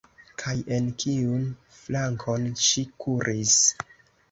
Kaj en kiun flankon ŝi kuris?